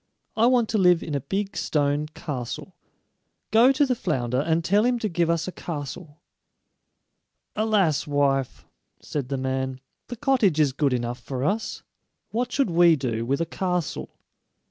I want to live in a big stone castle. Go to the flounder, and tell him to give us a castle." "Alas, wife!" said the man; "the cottage is good enough for us; what should we do with a castle?"